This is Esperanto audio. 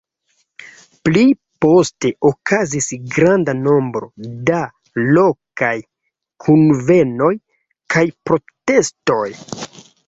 Pli poste, okazis granda nombro da lokaj kunvenoj kaj protestoj.